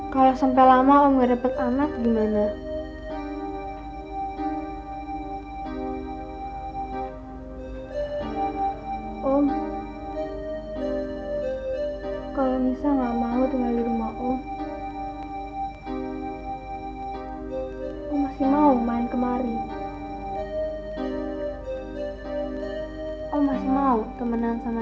kalau sampai lama om gak dapat anak gimana